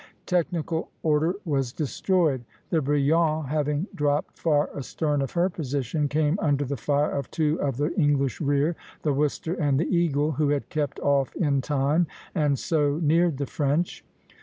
Technical order was destroyed. The "Brilliant," having dropped far astern of her position, came under the fire of two of the English rear, the "Worcester" and the "Eagle," who had kept off in time and so neared the French.